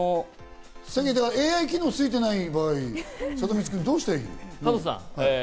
ＡＩ機能がついてない場合、サトミツ君、どうしたらいいの？